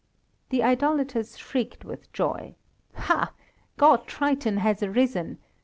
The idolaters shrieked with joy: "Ha! God Triton has arisen!